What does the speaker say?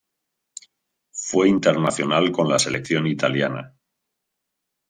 Fue internacional con la Selección italiana.